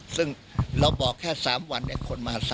ซึ่งเราบอกแค่๓วันนี้คนมา๓๐๐๐๐๐คน